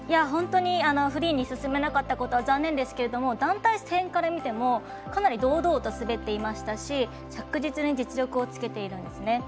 本当に、フリーに進めなかったことは残念ですが団体戦から見てもかなり堂々と滑っていましたし着実に実力をつけているんですね。